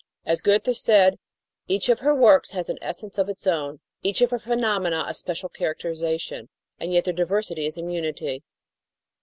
As Goethe said: "Each of her works has an essence of its own; each of her phenomena a special characterisation; and yet their diversity is in unity."